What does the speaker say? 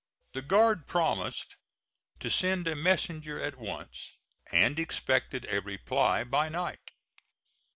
The guard promised to send a messenger at once, and expected a reply by night.